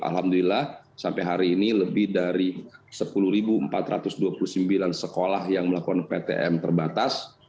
alhamdulillah sampai hari ini lebih dari sepuluh empat ratus dua puluh sembilan sekolah yang melakukan ptm terbatas